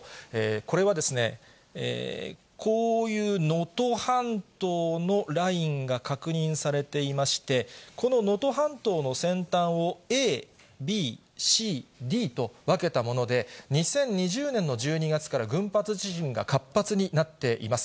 これは、こういう能登半島のラインが確認されていまして、この能登半島の先端をａ、ｂ、ｃ、ｄと分けたもので、２０２０年の１２月から群発地震が活発になっています。